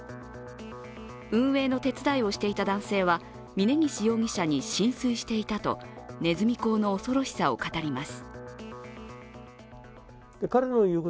運営の手伝いをしていた男性は峯岸容疑者に心酔していたとねずみ講の恐ろしさを語ります。